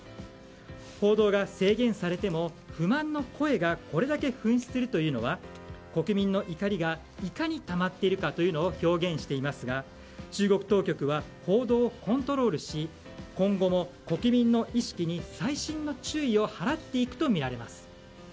報道が制限されても、不満の声がこれだけ噴出するというのは国民の怒りがいかにたまっているかというのを表現していますが中国当局は報道をコントロールし今後も国民の意識に細心の注意を払っていくとみられます。